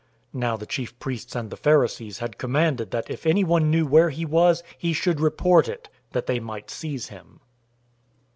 011:057 Now the chief priests and the Pharisees had commanded that if anyone knew where he was, he should report it, that they might seize him.